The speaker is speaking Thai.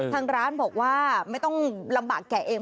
ทางร้านบอกว่าไม่ต้องลำบากแกะเอง